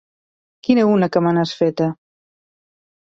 Quina una que me n'has feta!